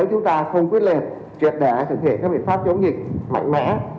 và chúng ta không quyết liệt truyệt đại thực hiện các biện pháp chống dịch mạnh mẽ